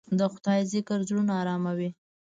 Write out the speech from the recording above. د خدای ذکر زړونه اراموي.